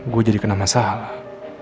gue jadi kena masalah